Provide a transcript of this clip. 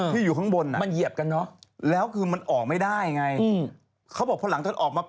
ที่อยู่ข้างบนนะแล้วคือออกไม่ได้ไงเพราะหลังจากออกมา